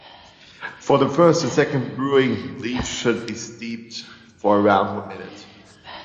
For the first and second brewing, leaves should be steeped for around one minute.